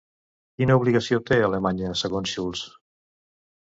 Quina obligació té Alemanya, segons Schulz?